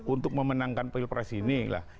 untuk memenangkan pilpres ini lah